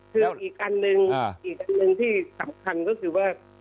คืออีกอันหนึ่งอีกอันหนึ่งที่สำคัญก็คือว่า